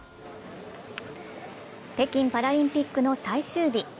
北京パラリンピックの最終日。